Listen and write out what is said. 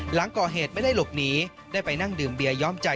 หลังก่อเหตุไม่ได้หลบหนีได้ไปนั่งดื่มเบียย้อมใจ